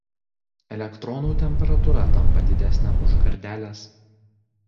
Elektronų temperatūra tampa didesnė už gardelės.